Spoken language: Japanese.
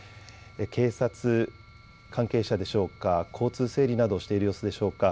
警察関係者でしょうか、交通整理などしている様子でしょうか。